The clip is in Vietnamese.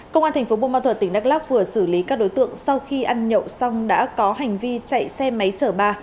công an tp buôn ma thuật tỉnh đắk lắk vừa xử lý các đối tượng sau khi ăn nhậu xong đã có hành vi chạy xe máy chở ba